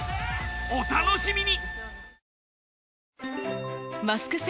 お楽しみに！